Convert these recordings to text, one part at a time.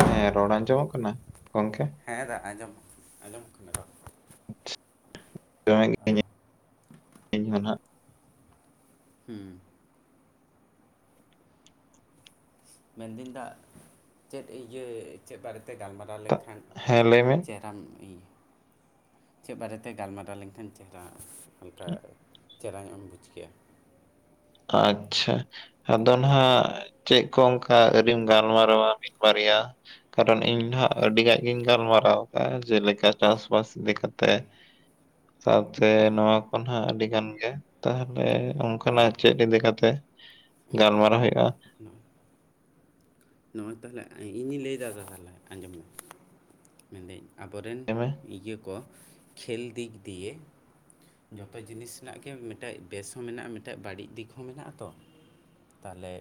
ᱦᱮᱸ ᱨᱚᱲ ᱟᱸᱡᱚᱢᱚᱜ ᱠᱟᱱᱟ ᱜᱚᱝᱠᱮ ᱦᱮᱸ ᱫᱟ ᱟᱸᱡᱚᱢᱚᱜ ᱟᱸᱡᱚᱢᱚᱜ ᱠᱟᱱᱟ ᱨᱚᱲ᱾ ᱫᱚᱢᱮ ᱜᱮ। ᱦᱩᱸ ᱢᱮᱱᱫᱟᱹᱧ ᱫᱟ ᱪᱮᱫ ᱤᱭᱟᱹ ᱪᱮᱫ ᱵᱟᱨᱮᱛᱮ ᱜᱟᱞᱢᱟᱨᱟᱣ ᱛᱟᱦᱮ ᱛᱟ- ᱞᱮᱱᱠᱷᱟᱱ ᱦᱮᱸ ᱞᱟᱹᱭ ᱢᱮ ᱪᱮᱦᱮᱨᱟᱢ ᱤ [unintelligible] ᱪᱮᱫ ᱵᱟᱨᱮ ᱛᱮ ᱜᱟᱞᱢᱟᱨᱟᱣ ᱞᱮᱱᱠᱷᱟᱱ ᱪᱮᱦᱮᱨᱟ ᱚᱱᱠᱟ ᱪᱮᱦᱮᱨᱟᱢ ᱧᱚᱜ ᱮᱢ ᱵᱩᱡᱽ ᱠᱮᱭᱟ᱾ ᱟᱪᱪᱷᱟ ᱟᱫᱚ ᱱᱟᱦᱟᱸᱜ ᱪᱮᱫ ᱠᱚ ᱚᱱᱠᱟ ᱟᱹᱰᱤᱢ ᱜᱟᱞᱢᱟᱨᱟᱣᱟ ᱢᱤᱫ ᱵᱟᱨᱭᱟ ᱠᱟᱨᱚᱱ ᱤᱧ ᱱᱟᱦᱟᱸᱜ ᱟᱹᱰᱤ ᱜᱟᱭ ᱜᱤᱧ ᱜᱟᱞᱢᱟᱨᱟᱣ ᱠᱟᱜᱼᱟ ᱡᱮᱞᱮᱠᱟ ᱪᱟᱥᱵᱟᱥ ᱤᱫᱤ ᱠᱟᱛᱮᱜ ᱥᱟᱶᱛᱮ ᱦᱮᱸ ᱱᱚᱣᱟ ᱠᱚ ᱱᱟᱜ ᱟᱹᱰᱤ ᱜᱟᱱ ᱜᱮ ᱛᱟᱦᱚᱞᱮ ᱦᱮᱸ ᱚᱱᱠᱟᱱᱟᱜ ᱪᱮᱫ ᱤᱫᱤ ᱠᱟᱛᱮ ᱜᱟᱞᱢᱟᱨᱟᱣ ᱦᱩᱭᱩᱜᱼᱟ᱾ ᱦᱩᱸ [inaudible] ᱱᱚᱜᱼᱚᱭ ᱛᱟᱦᱚᱞᱮ ᱤᱧᱤᱧ ᱞᱟᱹᱭ ᱫᱟ ᱛᱟᱦᱚᱞᱮ ᱟᱸᱡᱚᱢ ᱢᱮ ᱢᱮᱱᱫᱟᱹᱧ ᱟᱵᱚᱨᱮᱱ ᱞᱟᱹᱭ ᱢᱮ ᱤᱭᱟᱹ ᱠᱚ ᱠᱷᱮᱞ ᱫᱤᱠ ᱫᱤᱭᱮ ᱡᱚᱛᱚ ᱡᱤᱱᱤᱥ ᱨᱮᱱᱟᱜ ᱜᱮ ᱢᱤᱫᱴᱮᱜ ᱵᱮᱥ ᱦᱚᱸ ᱢᱮᱱᱟᱜᱼᱟ ᱢᱤᱫᱴᱮᱜ ᱵᱟᱹᱲᱤᱡ ᱫᱤᱠ ᱦᱚᱸ ᱢᱮᱱᱟᱜᱼᱟ ᱛᱚ ᱛᱟᱦᱮᱞᱮ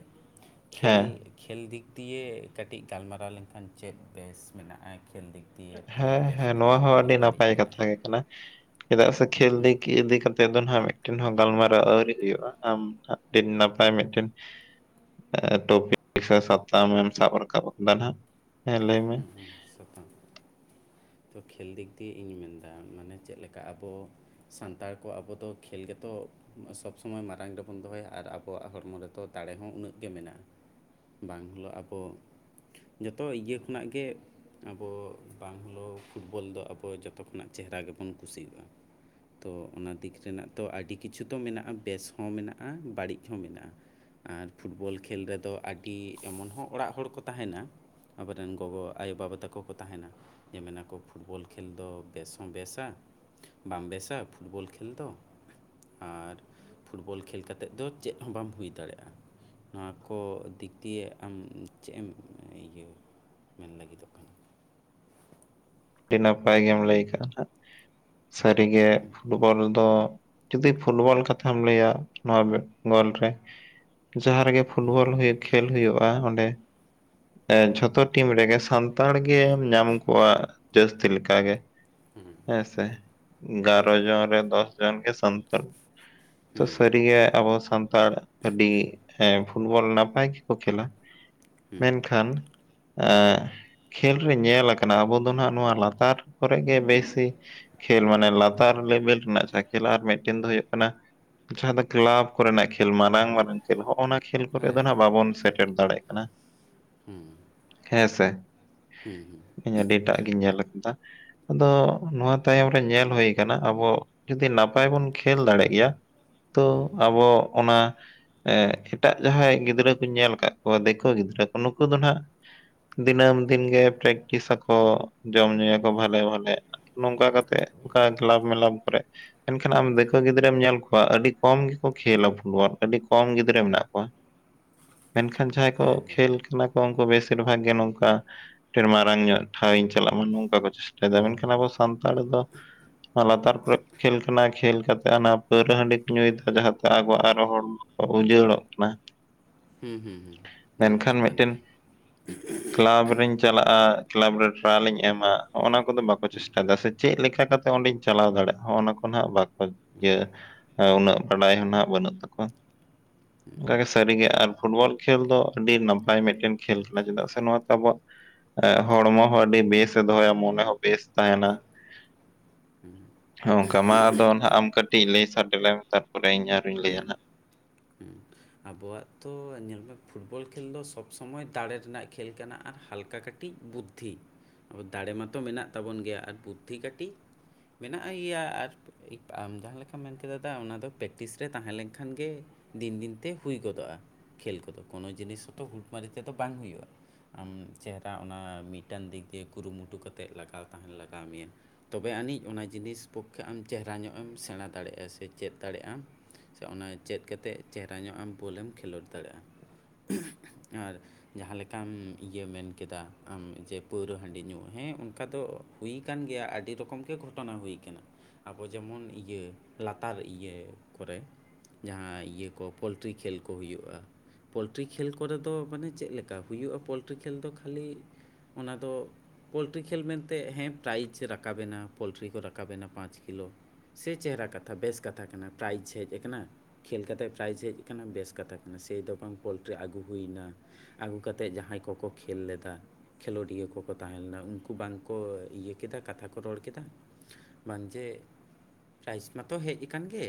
ᱠᱷᱮᱞ ᱦᱮᱸ ᱠᱷᱮᱞ ᱫᱤᱠ ᱫᱤᱭᱮ ᱠᱟᱹᱴᱤᱡ ᱜᱟᱞᱢᱟᱨᱟᱣ ᱞᱮᱱᱠᱷᱟᱱ ᱪᱮᱫ ᱵᱮᱥ ᱢᱮᱱᱟᱜᱼᱟ ᱠᱷᱮᱞ ᱫᱤᱠ ᱫᱤᱭᱮ ᱛᱤᱱᱟᱹᱜ ᱦᱮᱸ ᱵᱮᱥ ᱦᱮᱸ ᱱᱚᱣᱟ ᱢᱮᱱᱟᱜᱼᱟ ᱦᱚᱸ ᱛᱤᱱᱟᱹᱜ ᱟᱹᱰᱤ ᱵᱟᱹᱲᱤᱡ ᱱᱟᱯᱟᱭ ᱠᱟᱛᱷᱟ ᱢᱮᱱᱟᱜᱼᱟ ᱜᱮ ᱠᱟᱱᱟ ᱪᱮᱫᱟᱜ ᱥᱮ ᱠᱷᱮᱞ ᱫᱤᱠ ᱤᱫᱤ ᱠᱟᱛᱮ ᱟᱫᱚ ᱱᱦᱟᱸᱜ ᱢᱤᱫᱴᱮᱱ ᱦᱚᱸ ᱜᱟᱞᱢᱟᱨᱟᱣ ᱟᱹᱣᱨᱤ ᱦᱩᱭᱩᱜᱼᱟ ᱟᱢ ᱢᱤᱫ ᱱᱟᱯᱟᱭ ᱢᱤᱫᱴᱮᱱ ᱮᱸ ᱮᱸ ᱴᱯᱤᱠ ᱥᱟᱛᱟᱢ ᱮᱢ ᱥᱟᱵᱨᱟᱠᱟᱵ ᱟᱠᱟᱫᱟ ᱱᱟᱦᱟᱸᱜ ᱦᱩᱸ ᱦᱩᱸ ᱥᱟᱛᱟᱢ [inaudible] ᱛᱚ ᱠᱷᱮᱞ ᱫᱤᱠ ᱫᱤᱭᱮ ᱤᱧ ᱢᱮᱱᱫᱟ ᱢᱟᱱᱮ ᱪᱮᱫ ᱞᱮᱠᱟ ᱟᱵᱚ ᱥᱟᱱᱛᱟᱲ ᱠᱚ ᱟᱵᱚ ᱫᱚ ᱠᱷᱮᱞ ᱜᱮᱛᱚ ᱥᱚᱵ ᱥᱚᱢᱚᱭ ᱢᱟᱨᱟᱝ ᱨᱮᱵᱚᱱ ᱫᱚᱦᱚᱭᱟ ᱟᱨ ᱟᱵᱚᱣᱟᱜ ᱦᱚᱲᱢᱚ ᱨᱮᱫᱚ ᱫᱟᱲᱮ ᱦᱚᱸ ᱩᱱᱟᱹᱜ ᱜᱮ ᱢᱮᱱᱟᱜᱼᱟ ᱵᱟᱝ ᱦᱤᱞᱳᱜ ᱟᱵᱚ ᱡᱚᱛᱚ ᱤᱭᱟᱹ ᱠᱷᱚᱱᱟᱜ ᱜᱮ ᱟᱵᱚ ᱵᱟᱝ ᱦᱚᱞᱳ ᱯᱷᱩᱴᱵᱚᱞ ᱫᱚ ᱟᱵᱚ ᱡᱚᱛᱚ ᱠᱷᱚᱱᱟᱜ ᱪᱮᱦᱨᱟ ᱜᱮᱵᱚᱱ ᱠᱩᱥᱤᱭᱟᱜᱼᱟ᱾ ᱛᱚ ᱚᱱᱟ ᱫᱤᱠ ᱨᱮᱱᱟᱜ ᱛᱚ ᱟᱹᱰᱤ ᱠᱤᱪᱷᱩ ᱛᱚ ᱢᱮᱱᱟᱜᱼᱟ ᱵᱮᱥ ᱦᱚᱸ ᱢᱮᱱᱟᱜᱼᱟ ᱵᱟᱲᱤᱡ ᱦᱚᱸ ᱢᱮᱱᱟᱜᱼᱟ᱾ ᱟᱨ ᱯᱷᱩᱴᱵᱚᱞ ᱠᱷᱮᱞ ᱨᱮᱫᱚ ᱟᱰᱤ ᱮᱢᱚᱱ ᱦᱚᱸ ᱚᱲᱟᱜ ᱦᱚᱲ ᱠᱚ ᱛᱟᱦᱮᱸᱱᱟ ᱟᱵᱚᱨᱮᱱ ᱜᱚᱜᱚ ᱟᱭᱳᱼᱵᱟᱵᱟ ᱛᱟᱠᱚ ᱠᱚ ᱛᱟᱦᱮᱱᱟ᱾ ᱡᱮ ᱢᱮᱱᱟᱠᱚ ᱯᱷᱩᱴᱵᱚᱞ ᱠᱷᱮᱞ ᱫᱚ ᱵᱮᱥ ᱦᱚᱸ ᱵᱮᱥᱟ ᱵᱟᱢ ᱵᱮᱥᱟ ᱯᱷᱩᱴᱵᱚᱞ ᱠᱷᱮᱹᱞ ᱫᱚ ᱟᱨ ᱯᱷᱩᱴᱵᱚᱞ ᱠᱷᱮᱞ ᱠᱟᱛᱮᱫ ᱫᱚ ᱪᱮᱫ ᱦᱚᱸ ᱵᱟᱢ ᱦᱩᱭ ᱫᱟᱲᱮᱭᱟᱜᱼᱟ᱾ ᱱᱚᱣᱟ ᱠᱚ ᱫᱤᱠ ᱫᱤᱭᱮ ᱟᱢ ᱪᱮᱫ ᱮᱢ ᱤᱭᱟᱹ ᱢᱮᱱ ᱞᱟᱹᱜᱤᱫᱚᱜ ᱠᱟᱱᱟ᱾ ᱟᱹᱰᱤ ᱱᱟᱯᱟᱭ ᱜᱮᱢ ᱞᱟᱹᱭ ᱠᱟᱜᱼᱟ ᱥᱟᱨᱤᱜᱮ ᱯᱷᱩ ᱵᱚᱞ ᱫᱚ ᱡᱩᱫᱤ ᱯᱷᱩᱞᱵᱚᱞ ᱠᱟᱛᱷᱟᱢ ᱞᱟᱹᱭᱟ ᱱᱚᱣᱟ ᱜᱚᱞ ᱨᱮ ᱡᱟᱦᱟᱸ ᱨᱮᱜᱮ ᱯᱷᱩᱵᱚᱞ ᱦᱩᱭᱩᱜ ᱠᱷᱮᱞ ᱦᱩᱭᱩᱜᱼᱟ ᱚᱸᱰᱮ ᱦᱮᱸ ᱡᱷᱚᱛᱚ ᱴᱤᱢ ᱨᱮᱜᱮ ᱥᱟᱱ ᱛᱟᱲ ᱜᱮᱢ ᱧᱟᱢ ᱠᱚᱣᱟ ᱡᱟᱹᱥᱛᱤ ᱞᱮᱠᱟ ᱜᱮ ᱦᱮᱸ ᱥᱮ ᱜᱟᱨᱚ ᱡᱚᱱ ᱨᱮ ᱫᱚᱥ ᱡᱚᱱ ᱜᱮ ᱥᱟᱱᱛᱟᱞ ᱛᱚ ᱦᱮᱸ ᱥᱟᱹᱨᱤ ᱜᱮ ᱟᱵᱚ ᱥᱟᱱᱛᱟᱲ ᱟᱹᱰᱤ ᱯᱷᱩᱴᱵᱚᱞ ᱱᱟᱯᱟᱭ ᱜᱮᱠᱚ ᱠᱷᱮᱞᱟ ᱦᱮᱸ ᱢᱮᱱᱠᱷᱟᱱ ᱮᱸ ᱠᱷᱮᱞ ᱨᱮ ᱧᱮᱞ ᱠᱟᱱᱟ ᱟᱵᱚ ᱫᱚ ᱱᱟᱦᱟᱜ ᱱᱚᱣᱟ ᱞᱟᱛᱟᱨ ᱠᱚᱨᱮ ᱜᱮ ᱵᱮᱥᱤ ᱠᱷᱮᱞ ᱢᱟᱱᱮ ᱞᱟᱛᱟᱨ ᱞᱮᱵᱮᱞ ᱨᱮᱱᱟᱜ ᱡᱟᱦᱟᱸ ᱠᱷᱮᱞ ᱟᱨ ᱢᱤᱫᱴᱮᱱ ᱫᱚ ᱦᱩᱭᱩᱜ ᱠᱟᱱᱟ ᱡᱟᱦᱟᱸ ᱫᱚ ᱠᱞᱟᱵᱽ ᱠᱚ ᱨᱮᱱᱟᱜ ᱠᱷᱮᱞ ᱢᱟᱨᱟᱝ ᱢᱟᱨᱟᱝ ᱠᱷᱮᱞ ᱦᱚᱜᱚᱼᱱᱟ ᱠᱷᱮᱞ ᱠᱚᱨᱮ ᱦᱮᱸ ᱫᱚ ᱱᱟᱜ ᱵᱟᱵᱚᱱ ᱥᱮᱴᱮᱨ ᱫᱟᱲᱮᱭᱟᱜ ᱠᱟᱱᱟ ᱦᱩᱸ ᱦᱮᱸ ᱥᱮ ᱦᱩᱸ ᱤᱧ ᱟᱹᱰᱤᱴᱟᱜ ᱜᱤᱧ ᱧᱮᱞ ᱟᱠᱟᱫᱟ ᱟᱫᱚ ᱱᱚᱣᱟ ᱛᱟᱭᱚᱢ ᱨᱮ ᱧᱮᱞ ᱦᱩᱭ ᱟᱠᱟᱱᱟ ᱟᱵᱚ ᱡᱩᱫᱤ ᱱᱟᱯᱟᱭ ᱵᱚᱱ ᱠᱷᱮᱞ ᱫᱟᱲᱮᱜ ᱜᱮᱭᱟ ᱛᱚ ᱦᱮᱸ ᱟᱵᱚ ᱚᱱᱟ ᱮᱴᱟᱜ ᱡᱟᱦᱟᱸᱭ ᱜᱤᱫᱽᱨᱟᱹ ᱠᱩᱧ ᱧᱮᱞ ᱟᱠᱟᱫ ᱠᱚᱣᱟ ᱫᱤᱠᱩ ᱜᱤᱫᱽᱨᱟᱹ ᱠᱚ ᱱᱩᱠᱩ ᱫᱚ ᱦᱟᱸᱜ ᱫᱤᱱᱟᱹᱢ ᱫᱤᱱ ᱜᱮ ᱯᱨᱟᱠᱴᱤᱥ ᱟᱠ ᱠᱚ ᱡᱚᱢ ᱧᱩᱭᱟ ᱠᱚ ᱵᱷᱟᱞᱮ ᱵᱷᱟᱞᱮ ᱱᱚᱝᱠᱟ ᱠᱟᱛᱮᱜ ᱚᱱᱠᱟ ᱠᱞᱟᱵ ᱢᱮᱞᱟᱯ ᱠᱚᱨᱮ ᱢᱮᱱᱠᱷᱟᱱ ᱟᱢ ᱫᱮᱠᱳ ᱜᱤᱫᱽᱨᱟᱹᱢ ᱧᱮᱞ ᱠᱚᱣᱟ ᱟᱹᱰᱤ ᱠᱚᱢ ᱜᱮᱠᱚ ᱠᱷᱮᱞᱟ ᱯᱷᱩᱴᱵᱚᱞ ᱟᱹᱰᱤ ᱠᱚᱢ ᱜᱤᱫᱽᱨᱟᱹ ᱢᱮᱱᱟᱜ ᱠᱚᱣᱟ [unintelligible] ᱢᱮᱱᱠᱷᱟᱱ ᱡᱟᱦᱟᱸᱭ ᱠᱚ ᱦᱮᱸ ᱦᱮᱸ ᱠᱷᱮᱞ ᱠᱟᱱᱟ ᱠᱚ ᱩᱱᱠᱩ ᱵᱮᱥᱤᱨ ᱵᱷᱟᱜᱽ ᱜᱮ ᱱᱚᱝᱠᱟ ᱟᱹᱰᱤ ᱢᱟᱨᱟᱝ ᱧᱚᱜ ᱴᱷᱟᱶ ᱤᱧ ᱪᱟᱞᱟᱜ ᱢᱟ ᱱᱚᱝᱠᱟ ᱠᱚ ᱪᱮᱥᱴᱟᱭ ᱮᱫᱟ ᱢᱮᱱᱠᱷᱟᱱ ᱟᱵᱚ ᱥᱟᱱᱛᱟᱲ ᱫᱚ ᱞᱟᱛᱟᱨ ᱠᱚᱨᱮ ᱠᱷᱮᱞ ᱠᱟᱱᱟ ᱠᱷᱮᱞ ᱠᱟᱛᱮᱜ ᱚᱱᱟ ᱯᱟᱹᱣᱨᱟᱹ ᱦᱟᱺᱰᱤ ᱠᱚ ᱧᱩᱭᱮᱫᱟ ᱡᱟᱦᱟᱸᱛᱮ ᱟᱵᱚᱣᱟᱜ ᱟᱨᱚ ᱦᱚᱲ ᱩᱡᱟᱹᱲᱚᱜ ᱠᱟᱱᱟ ᱦᱩᱸ, ᱦᱩᱸ, ᱦᱩᱸ, ᱚᱱᱟ ᱛᱚ ᱢᱮᱱᱠᱷᱟᱱ ᱠᱟᱱ ᱢᱤᱫᱴᱮᱱ ᱜᱮᱭᱟ, ᱠᱞᱟᱵᱽ ᱨᱤᱧ ᱪᱟᱞᱟᱜᱼᱟ ᱠᱞᱟᱵᱽ ᱨᱮ ᱴᱨᱟᱭᱟᱞ ᱤᱧ ᱮᱢᱟ ᱱᱚᱜᱱᱟ ᱠᱚᱫᱚ ᱵᱟᱠᱚ ᱪᱮᱥ ᱪᱮᱥᱴᱟᱭᱫᱟ ᱥᱮ ᱪᱮᱫ ᱞᱮᱠᱟ ᱠᱟᱛᱮᱜ ᱚᱸᱰᱮᱧ ᱪᱟᱞᱟᱣ ᱫᱟᱲᱮᱭᱟᱜᱼᱟ ᱚᱱᱟ ᱠᱚ ᱱᱟᱜ ᱵᱟᱠᱚ ᱤᱭᱟᱹ ᱩᱱᱟᱹᱜ ᱵᱟᱰᱟᱭ ᱦᱚᱸ ᱱᱟᱜ ᱵᱟᱹᱱᱩᱜ ᱛᱟᱠᱚᱣᱟ [unintelligible] ᱚᱱᱠᱟ ᱜᱮ ᱥᱟᱹᱨᱤ ᱜᱮ ᱟᱨ ᱯᱷᱩᱴᱵᱚᱞ ᱠᱷᱮᱞ ᱫᱚ ᱟᱹᱰᱤ ᱱᱟᱯᱟᱭ ᱢᱤᱫᱴᱮᱱ ᱠᱷᱮᱞ ᱠᱟᱱᱟ ᱪᱮᱫᱟᱜ ᱥᱮ ᱱᱚᱣᱟᱛᱮ ᱟᱵᱚᱣᱟᱜ ᱮ ᱦᱚᱲᱢᱚ ᱦᱚᱸ ᱟᱹᱰᱤ ᱵᱮᱥ ᱮ ᱫᱚᱦᱚᱭᱟ ᱢᱚᱱᱮ ᱦᱚᱸ ᱵᱮᱥ ᱛᱟᱦᱮᱸᱱᱟ ᱚᱱᱠᱟ ᱢᱟ ᱟᱫᱚ ᱱᱟᱜ ᱟᱢ ᱠᱟᱹᱴᱤᱡ ᱞᱟᱹᱭ ᱥᱟᱰᱮ ᱞᱮᱢ ᱛᱟᱨᱯᱚᱨᱮ ᱤᱧ ᱟᱨᱚᱧ ᱞᱟᱹᱭᱟ ᱦᱩᱸ, ᱱᱟᱜ ᱦᱩᱸ ᱟᱵᱚᱣᱟᱜ ᱛᱚ ᱧᱮᱞ ᱢᱮ ᱯᱷᱩᱴᱵᱚᱞ ᱠᱷᱮᱞ ᱫᱚ ᱥᱚᱵ ᱥᱚᱢᱚᱭ ᱫᱟᱲᱮ ᱨᱮᱱᱟᱜ ᱠᱷᱮᱞ ᱠᱟᱱᱟ ᱟᱨ ᱦᱟᱞᱠᱟ ᱠᱟᱹᱴᱤᱡ ᱤᱡ ᱵᱩᱫᱽᱫᱷᱤ ᱟᱵᱚ ᱫᱟᱲᱮ ᱢᱟᱛᱚ ᱢᱮᱱᱟᱜ ᱛᱟᱵᱚᱱ ᱜᱮᱭᱟ ᱟᱨ ᱵᱩᱫᱽᱫᱷᱤ ᱠᱟᱹᱴᱤᱡ ᱢᱮᱱᱟᱜ ᱜᱮᱭᱟ ᱟᱨ ᱟᱢ ᱡᱟᱦᱟᱸ ᱞᱮᱠᱟᱢ ᱢᱮᱱ ᱠᱮᱫ ᱫᱟᱫᱟ ᱚᱱᱟ ᱫᱚ ᱯᱮᱠᱴᱤᱥ ᱨᱮ ᱛᱟᱦᱮᱸ ᱞᱮᱱᱠᱷᱟᱱ ᱜᱮ ᱫᱤᱱ ᱫᱤᱱ ᱛᱮ ᱦᱩᱭ ᱜᱚᱫᱚᱜᱼᱟ ᱠᱷᱮᱞ ᱠᱚᱫᱚ ᱠᱳᱱᱳ ᱡᱤᱱᱤᱥ ᱦᱚᱛᱚ ᱦᱩᱴᱢᱟᱨᱤ ᱛᱮᱫᱚ ᱵᱟᱝ ᱦᱩᱭᱩᱜᱼᱟ ᱟᱢ ᱪᱮᱦᱨᱟ ᱚᱱᱟ ᱢᱤᱫᱴᱟᱝ ᱫᱤᱠ ᱫᱤᱭᱮ ᱠᱩᱨᱩᱢᱩᱴᱩ ᱠᱟᱛᱮᱫ ᱞᱟᱜᱟᱣ ᱛᱟᱦᱮᱸᱱ ᱞᱟᱜᱟᱣ ᱢᱮᱭᱟ ᱛᱚᱵᱮ ᱟᱹᱱᱤᱡ ᱚᱱᱟ ᱡᱤᱱᱤᱥ ᱯᱚᱠᱠᱷᱮ ᱟᱢ ᱪᱮᱦᱨᱟ ᱧᱚᱜ ᱮᱢ ᱥᱮᱬᱟ ᱫᱟᱲᱮᱭᱟᱜᱼᱟ ᱥᱮ ᱪᱮᱫ ᱫᱟᱲᱮᱭᱟᱜ ᱟᱢ ᱛᱚ ᱚᱱᱟ ᱪᱮᱫ ᱠᱟᱛᱮᱫ ᱪᱮᱦᱨᱟ ᱧᱚᱜ ᱟᱢ ᱵᱚᱞᱮᱢ ᱠᱷᱮᱞᱳᱰ ᱫᱟᱲᱮᱭᱟᱜᱼᱟ ᱟᱨ ᱡᱟᱦᱟᱸ ᱞᱮᱠᱟᱢ ᱤᱭᱟᱹ ᱢᱮᱱ ᱠᱮᱫᱟ ᱟᱢ ᱡᱮ ᱯᱟᱹᱣᱨᱟᱹ ᱦᱟᱺᱰᱤ ᱧᱩ ᱦᱮᱸ ᱚᱱᱠᱟ ᱫᱚ ᱦᱩᱭ ᱟᱠᱟᱱ ᱜᱮᱭᱟ ᱟᱹᱰᱤ ᱨᱚᱠᱚᱢ ᱜᱮ ᱜᱷᱚᱴᱚᱱᱟ ᱦᱩᱭ ᱟᱠᱟᱱᱟ ᱟᱵᱚ ᱡᱮᱢᱚᱱ ᱤᱭᱟᱹ ᱞᱟᱛᱟᱨ ᱤᱭᱟᱹ ᱠᱚᱨᱮ ᱡᱟᱦᱟᱸ ᱤᱭᱟᱹ ᱠᱚ ᱯᱳᱞ ᱴᱨᱤ ᱠᱷᱮᱞ ᱠᱚ ᱦᱩᱭᱩᱜᱼᱟ ᱯᱳᱞᱴᱨᱤ ᱠᱷᱮᱞ ᱠᱚᱨᱮ ᱫᱚ ᱢᱟᱱᱮ ᱪᱮᱫ ᱞᱮᱠᱟ ᱦᱩᱭᱩᱜᱼᱟ ᱯᱳᱞᱴᱨᱤ ᱠᱷᱮᱞ ᱫᱚ ᱠᱷᱟᱹᱞᱤ ᱚᱱᱟ ᱫᱚ ᱯᱳᱞᱴᱨᱤ ᱠᱷᱮᱞ ᱢᱮᱱᱛᱮ ᱦᱮᱸ ᱯᱨᱟᱭᱤᱡᱽ ᱨᱟᱠᱟᱵ ᱮᱱᱟ ᱯᱳᱞᱴᱨᱤ ᱠᱚ ᱨᱟᱠᱟᱵ ᱮᱱᱟ ᱯᱟᱸᱪ ᱠᱤᱞᱳ ᱥᱮ ᱪᱮᱦᱨᱟ ᱠᱟᱛᱷᱟ ᱵᱮᱥ ᱠᱟᱛᱷᱟ ᱠᱟᱱᱟ ᱯᱨᱟᱭᱤᱡᱽ ᱦᱮᱡ ᱠᱟᱱᱟ ᱠᱷᱮᱞ ᱠᱟᱛᱮ ᱯᱨᱟᱭᱤᱡᱽ ᱦᱮᱡ ᱠᱟᱱᱟ ᱵᱮᱥ ᱠᱟᱛᱷᱟ ᱠᱟᱱᱟ ᱥᱮᱭ ᱫᱚ ᱵᱟᱝ ᱯᱳᱞᱴᱨᱤ ᱟᱹᱜᱩ ᱦᱩᱭᱮᱱᱟ ᱟᱹᱜᱩ ᱠᱟᱛᱮᱫ ᱡᱟᱦᱟᱸᱭ ᱠᱚ ᱠᱚ ᱠᱷᱮᱞ ᱞᱮᱫᱟ ᱠᱷᱮᱞᱳᱰᱤᱭᱟᱹ ᱠᱚ ᱠᱚ ᱛᱟᱦᱮᱸ ᱞᱮᱱᱟ ᱩᱱᱠᱩ ᱵᱟᱝ ᱠᱚ ᱤᱭᱟᱹ ᱠᱮᱫᱟ ᱠᱟᱛᱷᱟ ᱠᱚ ᱨᱚᱲ ᱠᱮᱫᱟ ᱵᱟᱝ ᱡᱮ ᱯᱨᱟᱭᱤᱡᱽ ᱢᱟᱛᱚ ᱦᱮᱡ ᱟᱠᱟᱱ ᱜᱮ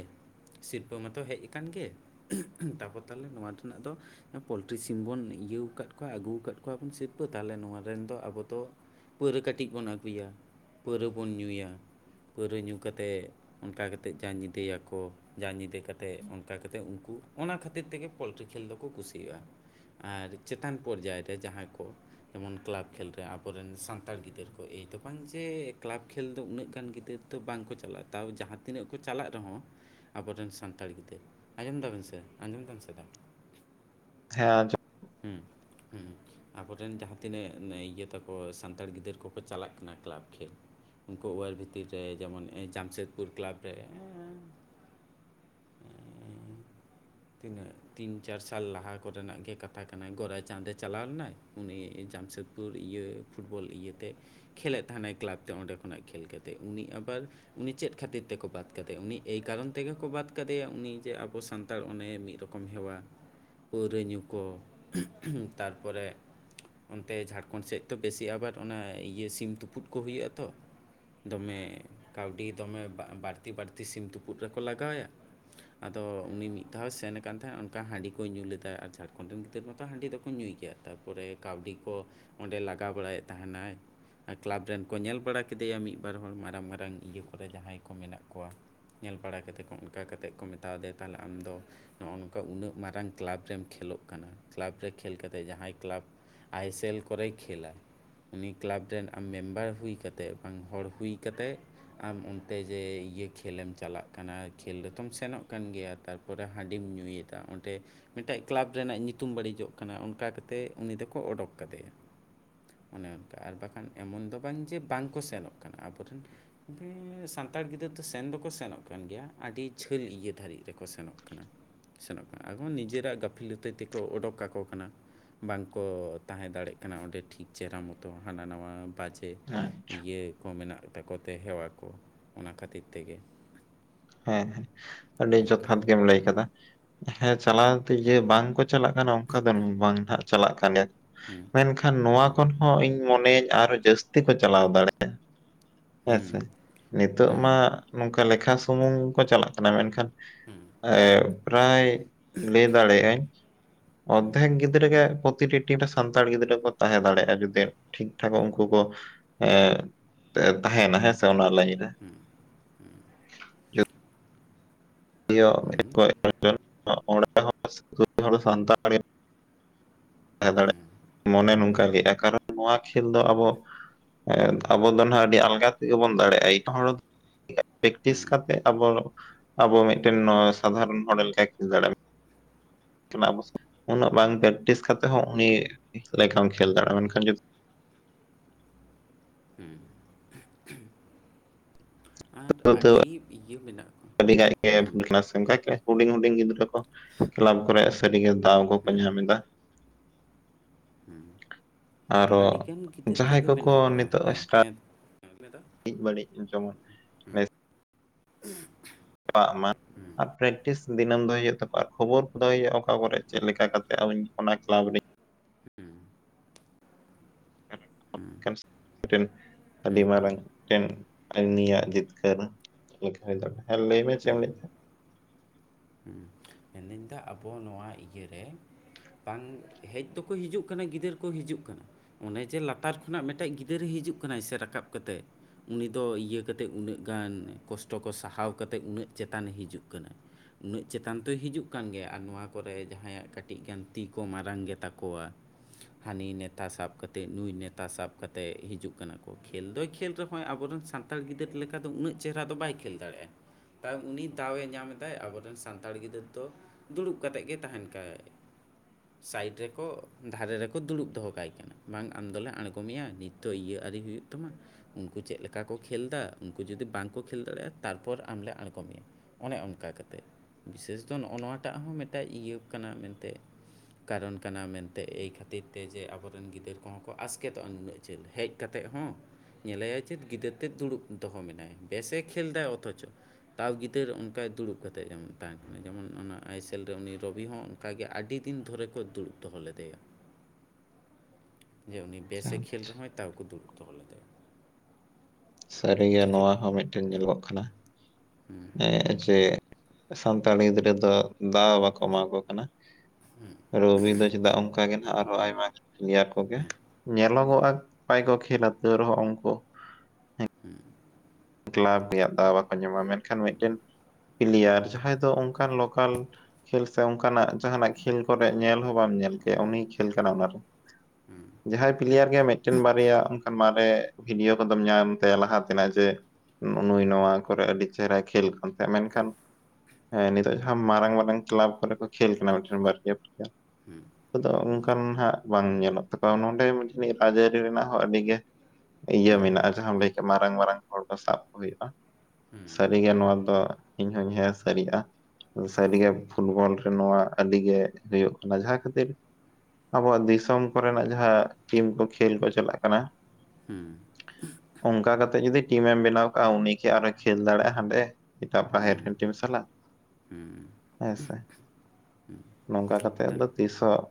ᱥᱤᱨᱯᱟᱹ ᱢᱟᱛᱚ ᱦᱮᱡ ᱟᱠᱟᱱ ᱜᱮ ᱛᱟᱯᱚᱨ ᱛᱟᱦᱚᱞᱮ ᱱᱚᱣᱟ ᱴᱷᱮᱱᱟᱜ ᱫᱚ ᱯᱳᱞᱴᱨᱤ ᱥᱤᱢ ᱵᱚᱱ ᱤᱭᱟᱹ ᱟᱠᱟᱫ ᱠᱚᱣᱟ ᱟᱹᱜᱩ ᱟᱠᱟᱫ ᱠᱚᱣᱟ ᱵᱚᱱ ᱥᱤᱨᱯᱟᱹ ᱛᱟᱦᱞᱮ ᱱᱚᱣᱟ ᱨᱮᱱ ᱫᱚ ᱟᱵᱚ ᱫᱚ ᱯᱟᱹᱣᱨᱟᱹ ᱠᱟᱹᱴᱤᱡ ᱵᱚᱱ ᱟᱹᱜᱩᱭᱟ ᱯᱟᱹᱣᱨᱟᱹ ᱵᱚᱱ ᱧᱩᱭᱟ ᱯᱟᱹᱣᱨᱟᱹ ᱧᱩ ᱠᱟᱛᱮᱫ ᱚᱱᱠᱟ ᱠᱟᱛᱮᱫ ᱡᱟ ᱧᱤᱫᱟᱹᱭᱟᱠᱚ ᱡᱟ ᱧᱤᱫᱟᱹ ᱠᱟᱛᱮᱫ ᱚᱱᱠᱟ ᱠᱟᱛᱮᱫ ᱩᱱᱠᱩ ᱚᱱᱟ ᱠᱷᱟᱹᱛᱤᱨ ᱛᱮᱜᱮ ᱯᱳᱞᱴᱨᱤ ᱠᱷᱮᱞ ᱫᱚᱠᱚ ᱠᱩᱥᱤᱭᱟᱜᱼᱟ ᱟᱨ ᱪᱮᱛᱟᱱ ᱯᱚᱨᱡᱟᱭ ᱨᱮ ᱡᱟᱦᱟᱸᱭ ᱠᱚ ᱡᱮᱢᱚᱱ ᱠᱞᱟᱵᱽ ᱠᱷᱮᱞ ᱨᱮ ᱟᱵᱚᱨᱮᱱ ᱥᱟᱱᱛᱟᱲ ᱜᱤᱫᱟᱹᱨ ᱠᱚ ᱮᱭ ᱫᱚ ᱵᱟᱝ ᱡᱮ ᱠᱞᱟᱵᱽ ᱠᱷᱮᱞ ᱫᱚ ᱩᱱᱟᱹᱜ ᱜᱟᱱ ᱜᱤᱫᱟᱹᱨ ᱵᱟᱝ ᱠᱚ ᱪᱟᱞᱟᱜᱼᱟ ᱛᱟᱣ ᱡᱟᱦᱟᱸ ᱛᱤᱱᱟᱹᱜ ᱠᱚ ᱪᱟᱞᱟᱜ ᱨᱮᱦᱚᱸ ᱟᱵᱚᱨᱮᱱ ᱥᱟᱱᱛᱟᱲ ᱜᱤᱫᱟᱹᱨ ᱟᱸᱡᱚᱢ ᱮᱫᱟᱵᱮᱱ ᱥᱮ ᱟᱸᱡᱚᱢ ᱮᱫᱟᱢ ᱥᱮ ᱵᱟᱝ ᱦᱮᱸ ᱟᱡᱚᱢ ᱦᱩᱸ ᱦᱩᱸ ᱟᱵᱚᱨᱮᱱ ᱡᱟᱦᱟᱸ ᱛᱤᱱᱟᱹᱜ ᱤᱭᱟᱹ ᱛᱟᱠᱚ ᱥᱟᱱᱛᱟᱲ ᱜᱤᱫᱟᱹᱨ ᱠᱚ ᱠᱚ ᱪᱟᱞᱟᱜ ᱠᱟᱱᱟ ᱠᱞᱟᱵᱽ ᱠᱷᱮᱞ ᱩᱱᱠᱩ ᱚᱣᱟᱨ ᱵᱷᱤᱛᱤᱨ ᱨᱮ ᱡᱮᱢᱚᱱ ᱡᱟᱢᱥᱮᱫᱽᱯᱩᱨ ᱠᱞᱟᱵᱽ ᱨᱮ [unintelligible] ᱛᱤᱱᱟᱹᱜ ᱛᱤᱱ ᱪᱟᱨ ᱥᱟᱞ ᱞᱟᱦᱟ ᱠᱚᱨᱮᱱᱟᱜ ᱜᱮ ᱠᱟᱛᱷᱟ ᱠᱟᱱᱟᱭ ᱜᱳᱨᱟ ᱪᱟᱸᱫ ᱮ ᱪᱟᱞᱟᱣ ᱞᱮᱱᱟᱭ ᱩᱱᱤ ᱡᱟᱢᱥᱮᱫᱽ ᱯᱩᱨ ᱤᱭᱟᱹ ᱯᱷᱩᱴᱵᱚᱞ ᱤᱭᱟᱹᱛᱮ ᱠᱷᱮᱞᱮᱫ ᱛᱟᱦᱮᱱᱟᱭ ᱠᱞᱟᱵᱽ ᱛᱮ ᱚᱸᱰᱮ ᱠᱷᱚᱱᱟᱜ ᱠᱷᱮᱞ ᱠᱟᱛᱮᱫ ᱩᱱᱤ ᱟᱵᱟᱨ ᱩᱱᱤ ᱪᱮᱫ ᱠᱷᱟᱹᱛᱤᱨ ᱛᱮᱠᱚ ᱵᱟᱫ ᱟᱠᱟᱫᱮᱭᱟ ᱩᱱᱤ ᱮᱭ ᱠᱟᱨᱚᱱ ᱛᱮᱜᱮ ᱠᱚ ᱵᱟᱫ ᱟᱠᱟᱫᱮᱭᱟ ᱩᱱᱤ ᱡᱮ ᱟᱵᱚ ᱥᱟᱱᱛᱟᱲ ᱱᱮᱛᱟᱨ ᱚᱱᱮ ᱢᱤᱫ ᱨᱚᱠᱚᱢ ᱦᱮᱣᱟ ᱯᱟᱹᱣᱨᱟᱹ ᱧᱩ ᱠᱚ ᱛᱟᱨᱯᱚᱨᱮ ᱚᱱᱛᱮ ᱡᱷᱟᱲᱠᱷᱚᱸᱰ ᱥᱮᱫ ᱛᱚ ᱵᱮᱥᱤ ᱟᱵᱟᱨ ᱚᱱᱟ ᱤᱭᱟᱹ ᱥᱤᱢ ᱛᱩᱯᱩᱫ ᱠᱚ ᱦᱩᱭᱩᱜ-ᱟ ᱛᱚ ᱫᱚᱢᱮ ᱠᱟᱹᱣᱰᱤ ᱫᱚᱢᱮ ᱵᱟᱹᱲᱛᱤ ᱵᱟᱹᱲᱛᱤ ᱥᱤᱢ ᱛᱩᱯᱩᱜ ᱨᱮᱠᱚ ᱞᱟᱜᱟᱣᱭᱟ ᱟᱫᱚ ᱩᱱᱤ ᱢᱤᱫ ᱫᱷᱟᱣ ᱥᱮᱱ ᱟᱠᱟᱱ ᱛᱟᱦᱮᱸᱫ ᱚᱱᱠᱟ ᱦᱟᱺᱰᱤ ᱠᱚᱭ ᱧᱩ ᱞᱮᱫᱟ ᱟᱨ ᱡᱷᱟᱲᱠᱷᱚᱸᱰ ᱨᱮᱱ ᱜᱤᱫᱟᱹᱨ ᱢᱟᱛᱚ ᱦᱟᱺᱰᱤ ᱫᱚᱠᱚ ᱧᱩᱭ ᱜᱮᱭᱟ ᱛᱟᱯᱚᱨᱮ ᱠᱟᱹᱣᱰᱤ ᱠᱚ ᱚᱸᱰᱮ ᱞᱟᱜᱟᱣ ᱵᱟᱲᱟᱭᱮᱫ ᱛᱟᱦᱮᱱᱟᱭ ᱠᱞᱟᱵᱽ ᱨᱮᱱ ᱠᱚ ᱧᱮᱞ ᱵᱟᱲᱟ ᱠᱮᱫᱮᱭᱟ ᱢᱤᱫ ᱵᱟᱨ ᱦᱚᱲ ᱢᱟᱨᱟᱝ ᱢᱟᱨᱟᱝ ᱤᱭᱟᱹ ᱠᱚᱨᱮ ᱡᱟᱦᱟᱸᱭ ᱠᱚ ᱢᱮᱱᱟᱜ ᱠᱚᱣᱟ ᱧᱮᱞ ᱵᱟᱲᱟ ᱠᱟᱛᱮ ᱠᱚ ᱚᱱᱠᱟ ᱠᱟᱛᱮᱫ ᱠᱚ ᱢᱮᱛᱟᱣ ᱫᱮᱭᱟ ᱛᱟᱦᱚᱞᱮ ᱟᱢᱫᱚ ᱱᱚᱜᱼᱚ ᱱᱚᱝᱠᱟ ᱩᱱᱟᱹᱜ ᱢᱟᱨᱟᱝ ᱠᱞᱟᱵᱽ ᱨᱮᱢ ᱠᱷᱮᱞᱚᱜ ᱠᱟᱱᱟ ᱠᱞᱟᱵᱽ ᱨᱮ ᱠᱷᱮᱞ ᱠᱟᱛᱮ ᱡᱟᱦᱟᱸᱭ ᱠᱞᱟᱵᱽ ᱟᱭ ᱮᱥ ᱮᱞ ᱠᱚᱨᱮᱭ ᱠᱷᱮᱞᱟ ᱩᱱᱤ ᱠᱮᱞᱟᱵᱽ ᱨᱮᱱ ᱟᱢ ᱢᱮᱢᱵᱟᱨ ᱦᱩᱭ ᱠᱟᱛᱮᱜ ᱵᱟᱝ ᱦᱚᱲ ᱦᱩᱭ ᱠᱟᱛᱮᱫ ᱟᱢ ᱚᱱᱛᱮ ᱡᱮ ᱤᱭᱟᱹ ᱠᱷᱮᱞᱮᱢ ᱪᱟᱞᱟᱜ ᱠᱟᱱᱟ ᱠᱷᱮᱞ ᱨᱮᱛᱚᱢ ᱥᱮᱱᱚᱜ ᱠᱟᱱ ᱜᱮᱭᱟ ᱛᱟᱨ ᱯᱚᱨᱮ ᱦᱟᱺᱰᱤᱢ ᱧᱩᱭᱮᱫᱟ ᱚᱸᱰᱮ ᱢᱤᱫᱴᱮᱡ ᱠᱞᱟᱵᱽ ᱨᱮᱱᱟᱜ ᱧᱩᱛᱩᱢ ᱵᱟᱹᱲᱤᱡᱚᱜ ᱠᱟᱱᱟ ᱚᱱᱠᱟ ᱠᱟᱛᱮᱫ ᱩᱱᱤ ᱫᱚᱠᱚ ᱚᱰᱳᱠ ᱠᱟᱫᱮᱭᱟ ᱚᱱᱮ ᱚᱱᱠᱟ ᱟᱨ ᱵᱟᱠᱷᱟᱱ ᱮᱢᱚᱱ ᱫᱚ ᱵᱟᱝ ᱡᱮ ᱵᱟᱝᱠᱚ ᱥᱮᱱᱚᱜ ᱠᱟᱱᱟ ᱟᱵᱚᱨᱮᱱ ᱜᱚᱝᱠᱮ ᱥᱟᱱᱛᱟᱲ ᱜᱤᱫᱟᱹᱨᱟᱹ ᱫᱚ ᱥᱮᱱ ᱫᱚᱠᱚ ᱥᱮᱱᱚᱜ ᱠᱟᱱ ᱜᱮᱭᱟ ᱟᱹᱰᱤ ᱡᱷᱟᱹᱞ ᱤᱭᱟᱹ ᱫᱷᱟᱹᱨᱤᱡ ᱨᱮᱠᱚ ᱥᱮᱱᱚᱜ ᱠᱟᱱᱟ ᱥᱮᱱᱚᱜ ᱠᱟᱱᱟ ᱟᱨᱦᱚᱸ ᱱᱤᱡᱮᱨᱟᱜ ᱜᱟᱹᱯᱷᱤᱞᱟᱹᱛᱤ ᱛᱮᱠᱚ ᱚᱰᱚᱠ ᱠᱟᱠᱚ ᱠᱟᱱᱟ ᱵᱟᱝᱠᱚ ᱛᱟᱦᱮᱸ ᱫᱟᱲᱮᱜ ᱠᱟᱱᱟ ᱚᱸᱰᱮ ᱴᱷᱤᱠ ᱪᱮᱦᱨᱟ ᱢᱚᱛᱚ ᱦᱟᱱᱟ ᱱᱟᱣᱟ ᱵᱟᱡᱮ ᱥᱮ ᱟᱪᱪᱷᱟ ᱤᱭᱟᱹ ᱠᱚ ᱢᱮᱱᱟᱜ ᱛᱟᱠᱚ ᱛᱮ ᱦᱮᱣᱟ ᱠᱚ ᱚᱱᱟ ᱠᱷᱟᱹᱛᱤᱨ ᱛᱮᱜᱮ ᱦᱮᱸ ᱦᱮᱸ ᱟᱹᱰᱤ ᱚᱱᱠᱟ ᱡᱚᱛᱷᱟᱛ ᱜᱮᱢ ᱞᱟᱹᱭ ᱟᱠᱟᱫᱟ ᱦᱮᱸ ᱪᱟᱞᱟᱣᱛᱮ ᱤᱭᱟᱹ ᱵᱟᱝᱠᱚ ᱪᱟᱞᱟᱜ ᱠᱟᱱᱟ ᱚᱱᱠᱟ ᱫᱚ ᱵᱟᱝ ᱦᱟᱜ ᱪᱟᱞᱟᱜ ᱠᱟᱱ ᱜᱮ ᱢᱮᱱᱠᱷᱟᱱ ᱱᱚᱣᱟ ᱠᱷᱚᱱ ᱦᱚᱸ ᱤᱧ ᱢᱚᱱᱮᱭᱟᱹᱧ ᱟᱨᱚ ᱡᱟᱹᱥᱛᱤ ᱠᱚ ᱪᱟᱞᱟᱣ ᱫᱟᱲᱮᱭᱟᱜᱼᱟ ᱦᱮᱸᱥᱮ ᱦᱮᱸ ᱱᱤᱛᱚᱜ ᱦᱮᱸ ᱢᱟ ᱱᱚᱝᱠᱟ ᱞᱮᱠᱷᱟ ᱥᱩᱢᱩᱝ ᱠᱚ ᱪᱟᱞᱟᱜ ᱠᱟᱱᱟ ᱢᱮᱱᱠᱷᱟᱱ ᱯᱨᱟᱭ ᱞᱟᱹᱭ ᱫᱟᱲᱮᱭᱟᱜᱼᱟᱹᱧ ᱚᱨᱫᱷᱮᱠ ᱜᱤᱫᱽᱨᱟᱹ ᱯᱨᱚᱛᱤᱴᱤ ᱴᱤᱢ ᱨᱮ ᱥᱟᱱᱛᱟᱲ ᱜᱤᱫᱽᱨᱟᱹ ᱠᱚ ᱛᱟᱦᱮᱸ ᱫᱟᱲᱮᱭᱟᱜᱼᱟ ᱡᱚᱫᱤ ᱴᱷᱤᱠ ᱴᱷᱟᱠ ᱩᱱᱠᱩ ᱠᱚ ᱮᱸ ᱛᱟᱦᱮᱱᱟ ᱦᱮᱸᱥᱮ ᱚᱱᱟ ᱞᱟᱭᱤᱱ ᱨᱮ ᱦᱩᱸ ᱦᱩᱸ ᱡᱚ ᱢᱚᱬᱮ ᱦᱮᱸ ᱦᱚᱲ ᱚᱲᱟᱜ ᱦᱚᱲ ᱢᱤᱫ ᱥᱟᱱᱛᱟᱲ ᱛᱟᱦᱮᱸ ᱫᱟᱲᱮᱭᱟᱜᱼᱟ ᱢᱚᱱᱮ ᱦᱮᱸ ᱱᱚᱝᱠᱟ ᱜᱮᱼᱟ ᱠᱟᱨᱚᱱ ᱱᱚᱣᱟ ᱠᱷᱮᱞ ᱫᱚ ᱟᱵᱚ ᱟᱵᱚ ᱫᱚ ᱱᱟᱜ ᱟᱹᱰᱤ ᱟᱞᱜᱟ ᱛᱮᱜᱮ ᱵᱚᱱ ᱫᱟᱲᱮᱭᱟᱜᱼᱟ ᱮᱴᱟᱜ ᱦᱚᱲ ᱯᱮᱠᱴᱤᱥ ᱦᱮᱸ ᱠᱟᱛᱮ ᱟᱵᱚ ᱟᱵᱚ ᱢᱤᱫᱴᱮᱱ ᱥᱟᱫᱷᱟᱨᱚᱱ ᱦᱚᱲ ᱞᱮᱠᱟ ᱠᱷᱮᱞ ᱫᱟᱲᱮᱭᱟᱜ᱾ [unintelligible] ᱩᱱᱟᱹᱜ ᱵᱟᱝ ᱯᱨᱮᱠᱴᱤᱥ ᱠᱟᱛᱮ ᱦᱚᱸ ᱩᱱᱤ ᱞᱮᱠᱟᱢ ᱠᱷᱮᱞ ᱫᱟᱲᱮᱭᱟᱜᱼᱟ ᱢᱮᱱᱠᱷᱟᱱ ᱦᱩᱸ᱾ ᱟᱨ ᱛᱟᱹᱣ ᱟᱹᱰᱤ ᱤᱭᱟᱹ ᱢᱮᱱᱟᱜᱼᱟ ᱟᱹᱰᱤ ᱜᱟᱱ ᱜᱮ ᱦᱩᱸ᱾ [unintelligible] ᱦᱩᱰᱤᱧ ᱦᱩᱰᱤᱧ ᱜᱤᱫᱽᱨᱟᱹ ᱠᱚ ᱠᱮᱞᱟᱵᱽ ᱠᱚᱨᱮᱜ ᱥᱟᱹᱨᱤᱜᱮ ᱫᱟᱣ ᱠᱚᱠᱚ ᱦᱮᱸ ᱧᱟᱢ ᱮᱫᱟ᱾ ᱦᱮᱸ ᱟᱨᱚ ᱟᱹᱰᱤ ᱜᱟᱱ ᱜᱤᱫᱟᱹᱨ ᱡᱟᱦᱟᱸᱭ ᱠᱚᱜᱮ ᱠᱚᱠᱚ ᱢᱮᱱᱟᱜ ᱠᱚᱣᱟ᱾ ᱱᱤᱛᱚᱜ ᱦᱮᱸ ᱥᱴᱟᱨ ᱦᱮᱸ ᱢᱮᱱᱮᱫᱟ [inaudible] [unintelligible] [unintelligible] ᱟᱨ ᱯᱨᱮᱠᱴᱤᱥ ᱫᱤᱱᱟᱹᱢ ᱫᱚ ᱦᱚᱭᱳᱜ ᱛᱟᱠᱚᱣᱟ ᱟᱨ ᱠᱷᱚᱵᱚᱨ ᱠᱚ ᱫᱚᱦᱚᱭ ᱦᱩᱭᱩᱜᱜᱼᱟ ᱚᱠᱟ ᱠᱚᱨᱮ ᱪᱮᱫ ᱞᱮᱠᱟ ᱠᱟᱛᱮ ᱚᱱᱟ ᱠᱮᱞᱟᱵ ᱨᱮᱧ᱾ ᱦᱮᱸ᱾ ᱦᱮᱸ᱾ [unintelligible] ᱟᱰᱤᱢᱟᱨᱟᱱᱜ [unintelligible] ᱟᱱᱤᱭᱟᱜ ᱡᱤᱛᱠᱟᱹᱨ᱾ [unintelligible] ᱦᱮᱸ ᱞᱟᱹᱭ ᱢᱮ ᱪᱮᱜ ᱮᱢ ᱞᱟᱹᱭᱮᱫ ᱛᱟᱦᱮᱫ? ᱦᱮᱸ ᱢᱮᱱᱫᱟᱹᱧ ᱫᱟ ᱟᱵᱚ ᱱᱚᱣᱟ ᱤᱭᱟᱹ ᱨᱮ ᱵᱟᱝ, ᱦᱮᱡ ᱫᱚᱠᱚ ᱦᱤᱡᱩᱜ ᱠᱟᱱᱟ ᱜᱤᱫᱟᱹᱨ ᱠᱚ ᱦᱤᱡᱩᱜ ᱠᱟᱱᱟ᱾ ᱚᱱᱮ ᱡᱮ ᱞᱟᱛᱟᱨ ᱠᱷᱚᱱᱟᱜ ᱢᱮᱫᱴᱮᱡ ᱜᱤᱫᱽᱨᱟᱹᱭ ᱦᱤᱡᱩᱜ ᱠᱟᱱᱟᱭ ᱥᱮ ᱨᱟᱠᱟᱵ ᱠᱟᱛᱮᱜ᱾ ᱩᱱᱤ ᱫᱚ ᱤᱭᱟᱹ ᱠᱟᱛᱮᱫ ᱩᱱᱟᱹᱜ ᱜᱟᱱ ᱠᱚᱥᱴᱚ ᱠᱚ ᱥᱟᱦᱟᱣ ᱠᱟᱛᱮᱫ ᱩᱱᱟᱹᱜ ᱪᱮᱛᱟᱱᱮ ᱦᱤᱡᱩᱜ ᱠᱟᱱᱟᱭ᱾ ᱩᱱᱟᱹᱜ ᱪᱮᱛᱟᱱ ᱛᱚᱭ ᱦᱤᱡᱩᱜ ᱠᱟᱱ ᱜᱮᱭᱟ᱾ ᱟᱨ ᱱᱚᱣᱟ ᱠᱚᱨᱮ ᱡᱟᱦᱟᱸᱭᱟᱜ ᱠᱟᱹᱴᱤᱡ ᱜᱟᱱ ᱛᱤ ᱠᱚ ᱢᱟᱨᱟᱝ ᱜᱮᱛᱟ ᱠᱚᱣᱟ ᱦᱟᱹᱱᱤ ᱱᱮᱛᱟ ᱥᱟᱵ ᱠᱟᱛᱮᱫ ᱱᱩᱭ ᱱᱮᱛᱟ ᱥᱟᱵ ᱠᱟᱛᱮᱮᱫ ᱦᱤᱡᱩᱜ ᱠᱟᱱᱟ ᱠᱚ, ᱠᱷᱮᱞ ᱫᱚᱭ ᱠᱷᱮᱞᱞ ᱨᱮᱦᱚᱸᱭ ᱟᱵᱚᱨ ᱨᱮᱱ ᱥᱟᱱᱛᱟᱲ ᱜᱤᱫᱟᱹᱨ ᱞᱮᱠᱟ ᱫᱚ ᱩᱱᱟᱹᱜ ᱪᱮᱦᱨᱟ ᱫᱚ ᱵᱟᱭ ᱠᱷᱮᱞ ᱫᱟᱲᱮᱭᱟᱜᱼᱟ ᱛᱟᱣ ᱩᱱᱤ ᱫᱟᱣ ᱮ ᱧᱟᱢ ᱮᱟᱭ ᱟᱵᱚ᱾ ᱟᱵᱚ ᱨᱮᱱ ᱥᱟᱱᱛᱟᱲ ᱜᱤᱫᱟᱹᱨ ᱫᱚ ᱫᱩᱲᱩᱵ ᱠᱟᱛᱮᱜ ᱜᱮ ᱛᱟᱦᱮᱱ ᱠᱟᱭ ᱥᱟᱭᱤᱰ ᱨᱮᱠᱚ ᱫᱷᱟᱨᱮ ᱨᱮᱠᱚ ᱫᱩᱲᱩᱵ ᱫᱚᱦᱚ ᱠᱟᱭ ᱠᱟᱱᱟ, ᱵᱟᱝ ᱟᱢ ᱫᱚᱞᱮ ᱟᱬᱜᱚᱢᱮᱭᱟ ᱱᱤᱛ ᱛᱚ ᱤᱭᱟᱹ ᱟᱹᱣᱨᱤ ᱦᱩᱭᱩᱜ ᱛᱟᱢᱟ᱾ ᱩᱱᱠᱩ ᱪᱮᱫ ᱞᱮᱠᱟ ᱠᱚ ᱠᱷᱮᱞ ᱫᱟ, ᱩᱱᱠᱩ ᱡᱩᱫᱤ ᱵᱟᱝᱠᱚ ᱠᱷᱮᱞ ᱫᱟᱲᱮᱭᱟᱜᱼᱟ ᱛᱟᱨᱯᱚᱨ ᱟᱢᱞᱮ ᱟᱬᱜᱚ ᱢᱮᱭᱟ᱾ ᱚᱱᱮ ᱚᱱᱠᱟ ᱠᱟᱛᱮᱫ, ᱵᱤᱥᱮᱥ ᱫᱚ ᱱᱚᱜᱼᱚ ᱱᱚᱣᱟᱴᱟᱜ ᱦᱚᱸ ᱢᱤᱫᱴᱟᱜ ᱤᱭᱟᱹ ᱠᱟᱱᱟ ᱢᱮᱱᱛᱮ ᱠᱟᱨᱚᱱ ᱠᱟᱱᱟ ᱢᱮᱱᱛᱮ ᱮᱭ ᱠᱷᱟᱹᱛᱤᱨ ᱛᱮ ᱡᱮ ᱟᱵᱚᱨᱮᱱ ᱜᱤᱫᱟᱹᱨ ᱠᱚᱦᱚᱸ ᱠᱚ ᱟᱥᱠᱮᱛᱚᱜ-ᱟ᱾ ᱪᱮᱫ ᱦᱮᱡ ᱠᱟᱛᱮᱫ ᱦᱚᱸ᱾ ᱧᱮᱞᱮᱟᱭ ᱪᱮᱫ ᱜᱤᱫᱟᱹᱨ ᱛᱮᱫ ᱫᱩᱲᱩᱵ ᱫᱚᱦᱚ ᱢᱮᱱᱟᱭᱟ, ᱵᱮᱥᱮ ᱠᱷᱮᱞ ᱫᱟ ᱚᱛᱷᱚᱪᱚ ᱛᱟᱣ ᱜᱤᱫᱟᱹᱨ ᱚᱱᱠᱟᱭ ᱫᱩᱲᱩᱵ ᱠᱟᱛᱮ ᱮᱢ ᱛᱟᱦᱮ ᱠᱟᱱᱟ ᱡᱮᱢᱚᱱ ᱚᱱᱟ ᱟᱭ ᱮᱥ ᱮᱞ ᱨᱮ ᱩᱱᱤ ᱨᱚᱵᱤ ᱦᱚᱸ ᱚᱱᱠᱟᱜᱮ ᱟᱹᱰᱤ ᱫᱤᱱ ᱫᱷᱚᱨᱮ ᱠᱚ ᱫᱩᱲᱩᱵ ᱫᱚᱦᱚ ᱞᱮᱫᱮᱭᱟ᱾ [inaudible] ᱡᱮ ᱩᱱᱤ ᱵᱮᱥᱮ ᱛᱟᱦᱮᱸᱫ ᱠᱷᱮᱞ ᱨᱮᱦᱚᱸᱭ ᱛᱟᱣᱠᱚ ᱫᱩᱲᱩᱵ ᱫᱚᱦᱚ ᱞᱮᱫᱮᱭᱟ᱾ ᱥᱟᱹᱨᱤᱜᱮ ᱚᱛᱷᱚᱪᱚ ᱱᱚᱣᱟ ᱦᱚᱸ ᱢᱤᱫᱴᱮᱱ ᱧᱮᱞᱜᱚᱜ ᱠᱟᱱᱟ᱾ ᱦᱮᱸ᱾ ᱦᱮᱸ ᱡᱮ, ᱥᱟᱱᱛᱟᱲ ᱜᱤᱫᱽᱨᱟᱹ ᱫᱚ ᱫᱟᱣ ᱵᱟᱠᱚ ᱮᱢᱟ ᱠᱚ ᱠᱟᱱᱟ᱾ ᱦᱮᱸ᱾ ᱨᱚᱵᱤ ᱫᱚ ᱪᱮᱫᱟᱜ, ᱚᱱᱠᱟ ᱜᱮ ᱱᱟᱦᱟᱜ ᱟᱨᱦᱚ ᱟᱭᱢᱟ ᱯᱞᱮᱭᱟᱨ ᱠᱚᱜᱮ᱾ ᱧᱮᱞᱚᱜᱚᱜᱼᱟ ᱯᱨᱟᱭᱠᱚ ᱠᱷᱮᱞᱟ ᱛᱟᱹᱣ ᱨᱮᱦᱚᱸ ᱳᱱᱠᱳ ᱦᱩᱸ᱾ ᱠᱮᱞᱟᱰ ᱨᱮᱭᱟᱜ ᱫᱟᱣ ᱵᱟᱠᱚ ᱧᱟᱢᱟ ᱢᱮᱱᱠᱷᱟᱱ ᱢᱤᱫᱴᱮᱱ ᱯᱞᱤᱭᱟᱨ ᱡᱟᱦᱟᱸᱭ ᱫᱚ ᱚᱱᱠᱟᱱ ᱞᱳᱠᱟᱞ᱾ ᱠᱷᱮᱞ ᱥᱮ ᱚᱱᱠᱟᱱᱟᱜ ᱡᱟᱦᱱᱟᱜ ᱠᱷᱮᱞ ᱠᱚᱨᱮ ᱧᱮᱞ ᱦᱚᱸ ᱵᱟᱢ ᱧᱮᱞ ᱠᱮᱭᱟ ᱩᱱᱤ ᱠᱷᱮᱞ ᱠᱟᱱᱟ ᱚᱱᱟᱨᱮ᱾ ᱡᱟᱦᱟᱸᱭ ᱯᱞᱮᱭᱟᱨ ᱜᱮ ᱢᱤᱫᱴᱮᱱ ᱵᱟᱨᱭᱟ ᱚᱱᱠᱟᱱ ᱢᱟᱨᱮ ᱵᱷᱤᱰᱭᱳ ᱠᱚᱫᱚᱢ ᱧᱟᱢ ᱛᱟᱭᱟ ᱞᱟᱦᱟ ᱛᱮᱱᱟᱜ ᱡᱮ ᱱᱩᱜᱼᱱᱩᱭ ᱱᱚᱣᱟ ᱠᱚᱨᱮ ᱟᱹᱰᱤ ᱪᱮᱦᱨᱟᱭ ᱠᱷᱮᱞ ᱠᱟᱱ ᱛᱟᱦᱮᱜ ᱢᱮᱱᱠᱷᱟᱱ᱾ ᱦᱮᱸ ᱱᱤᱛᱚᱜ ᱡᱟᱦᱟᱸ ᱢᱟᱨᱟᱝ ᱢᱟᱨᱟᱝ ᱠᱞᱟᱵᱽ ᱠᱚᱨᱮ ᱠᱚ ᱠᱷᱮᱞ ᱠᱟᱱᱟ ᱢᱤᱫᱴᱮᱱ ᱵᱟᱨᱭᱟ ᱯᱮᱭᱟ᱾ ᱦᱮᱸ᱾ ᱟᱫᱚ ᱚᱱᱠᱟᱟᱱ ᱦᱟᱸᱜ ᱵᱟᱝ ᱧᱮᱞᱚᱜ ᱛᱟᱠᱚᱣᱟ᱾ ᱱᱚᱰᱮ ᱢᱤᱫᱴᱮᱱᱤᱡ ᱨᱟᱡᱽ ᱟᱹᱨᱤ ᱨᱮᱱᱟᱜ ᱦᱚᱸ ᱟᱹᱰᱤᱜᱮ ᱤᱭᱟᱹ ᱢᱮᱱᱟᱜᱼᱟ, ᱡᱟᱦᱟᱸᱢ ᱞᱟᱹᱭ ᱠᱮᱜ ᱢᱟᱨᱟᱝ ᱢᱟᱨᱟᱝ ᱦᱚᱲ ᱠᱚ ᱥᱟᱵ ᱦᱩᱭᱩᱜᱼᱟ᱾ ᱥᱟᱹᱨᱤᱜᱮ ᱱᱚᱣᱟ ᱫᱚ ᱤᱧᱦᱚᱧ ᱦᱮᱸ ᱥᱟᱹᱨᱤᱜᱼᱟ᱾ ᱥᱟᱹᱨᱤᱜᱮ ᱯᱷᱩᱴᱵᱚᱞ ᱨᱮ ᱱᱚᱣᱟ ᱟᱹᱰᱤᱜᱮ ᱦᱩᱭᱩᱜ ᱠᱟᱱᱟ ᱡᱟᱦᱟᱸ ᱠᱷᱟᱹᱛᱤᱨ ᱟᱵᱚᱣᱟᱜ ᱫᱤᱥᱚᱢ ᱠᱚᱨᱮᱱᱟᱜ ᱡᱟᱦᱟᱸ ᱴᱤᱢ ᱠᱚ ᱠᱷᱮᱞ ᱠᱚ ᱪᱟᱞᱟᱜ ᱠᱟᱱᱟ᱾ ᱦᱮᱸ᱾ ᱚᱱᱠᱟ ᱠᱟᱛᱮᱜ ᱡᱩᱫᱤ ᱴᱤᱢᱮᱢ ᱵᱮᱱᱟᱣ ᱠᱟᱜᱼᱟ ᱩᱱᱤ ᱠᱤ ᱟᱨᱦᱚᱸᱭ ᱠᱷᱮᱞ ᱫᱟᱲᱮᱜᱼᱟ ᱦᱟᱸᱰᱮ? ᱥᱮᱛᱟᱜ ᱯᱟᱦᱮᱨ ᱨᱮᱱ ᱴᱤᱢ ᱥᱟᱞᱟᱜ᱾ ᱦᱮᱸ᱾ ᱦᱮᱸ ᱥᱮ ᱱᱚᱝᱠᱟ ᱠᱟᱛᱮᱜ ᱫᱚ ᱛᱤᱥ ᱦᱚᱸ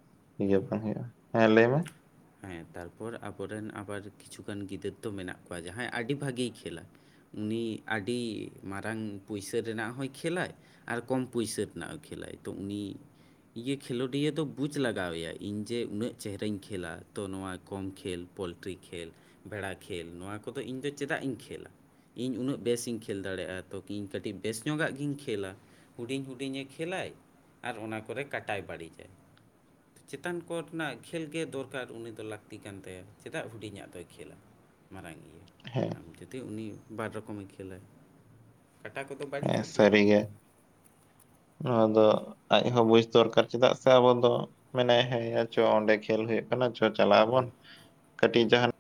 ᱤᱭᱟᱹ ᱵᱟᱝ ᱦᱩᱭᱩᱜᱼᱟ᱾ ᱦᱮᱸ ᱞᱟᱹᱭ ᱢᱮ᱾ ᱦᱮᱸ ᱛᱟᱨᱯᱚᱨ ᱟᱵᱚᱨᱮᱱ ᱟᱵᱟᱨ ᱠᱤᱪᱷᱩᱜᱟᱱ ᱜᱤᱫᱟᱹᱨ ᱫᱚ ᱢᱮᱱᱟᱜ ᱠᱚᱣᱟ ᱡᱟᱦᱟᱸᱭ ᱟᱹᱰᱤ ᱵᱷᱟᱜᱮᱭ ᱠᱷᱮᱞᱟ᱾ ᱩᱱᱤ ᱟᱹᱰᱤ ᱢᱟᱨᱟᱝ ᱯᱩᱭᱥᱟᱹ ᱨᱮᱱᱟᱜ ᱦᱚᱸᱭ ᱠᱷᱮᱞᱟᱭ᱾ ᱟᱨ ᱠᱚᱢ ᱯᱩᱭᱥᱟᱹ ᱨᱮᱱᱟᱜ ᱦᱚᱭ ᱠᱷᱮᱞᱟᱭ᱾ ᱛᱚ ᱩᱱᱤ ᱤᱭᱟᱹ ᱠᱷᱮᱞᱳᱰᱤᱭᱟᱹ ᱫᱚ ᱵᱩᱡᱽ ᱞᱟᱜᱟᱣ ᱮᱭᱟ ᱤᱧ ᱡᱮ ᱩᱱᱟᱹᱜ ᱪᱮᱦᱨᱟᱧ ᱠᱷᱮᱞᱟ ᱛᱚ ᱱᱚᱣᱟ ᱠᱚᱢ ᱠᱷᱮᱞ ᱯᱳᱞᱴᱨᱤ ᱠᱷᱮᱞ ᱵᱷᱮᱲᱟ ᱠᱷᱮᱞ ᱱᱚᱣᱟ ᱠᱚᱫᱚ ᱤᱧ ᱫᱚ ᱪᱮᱫᱟᱜ ᱤᱧ ᱠᱷᱮᱞᱟ᱾ ᱤᱧ ᱩᱱᱟᱹᱜ ᱵᱮᱥ ᱤᱧ ᱠᱷᱮᱞ ᱫᱟᱲᱮᱭᱟᱜᱼᱟ᱾ ᱛᱚ ᱠᱤ ᱤᱧ ᱵᱮᱥ ᱧᱚᱜ ᱟᱜ ᱜᱤᱧ ᱠᱷᱮᱹᱞᱟ᱾ ᱦᱩᱰᱤᱧ ᱦᱩᱰᱤᱧᱮ ᱠᱷᱮᱞᱟᱭ, ᱟᱨ ᱚᱱᱟ ᱠᱚᱨᱮ ᱠᱟᱴᱟᱭ ᱵᱟᱹᱲᱤᱡᱟᱭ᱾ ᱪᱮᱛᱟᱱ ᱠᱳᱨᱴ ᱱᱟᱜ ᱠᱷᱮᱞ ᱜᱮ ᱫᱚᱨᱠᱟᱨ᱾ ᱱᱮᱛᱟᱨ ᱩᱱᱤ ᱫᱚ ᱞᱟᱹᱠᱛᱤ ᱠᱟᱱ ᱛᱟᱭᱟ᱾ ᱪᱮᱫᱟᱜ ᱦᱩᱰᱤᱧᱟᱜ ᱫᱚᱭ ᱠᱷᱮᱞᱟ ᱢᱟᱨᱟᱝᱤᱭᱟᱹ᱾ ᱦᱮᱸ᱾ ᱡᱩᱫᱤ ᱩᱱᱤ ᱵᱟᱨ ᱨᱚᱠᱚᱢᱮ ᱠᱷᱮᱞᱟ ᱠᱟᱴᱟ ᱠᱚᱫᱚ ᱵᱟᱝ ᱦᱮᱸ ᱥᱟᱹᱨᱤ ᱜᱮ ᱱᱚᱣᱟ ᱫᱚ ᱟᱡᱦᱚᱸ ᱵᱩᱡᱽ ᱫᱚᱨᱠᱟᱨ ᱪᱮᱫᱟᱜ ᱥᱮ ᱟᱵᱚ ᱫᱚ ᱢᱮᱱᱟᱭ ᱦᱮᱸᱭᱟ ᱪᱚ ᱚᱸᱰᱮ ᱠᱷᱮᱞ ᱦᱩᱭᱩᱜ ᱪᱚ ᱪᱟᱞᱟᱜ ᱟᱵᱚᱱ ᱠᱟᱹᱴᱤᱡ ᱡᱟᱦᱟᱱᱟᱜ